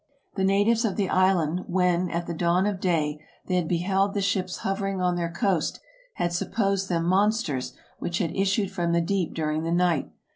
The natives of the island, when, at the dawn of day, they had beheld the ships hovering on their coast, had supposed them monsters which had issued from the deep during the night.